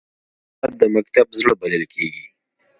استاد د مکتب زړه بلل کېږي.